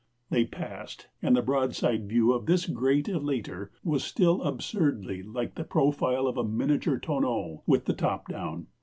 They passed, and the broadside view of this great elater was still absurdly like the profile of a miniature tonneau with the top down.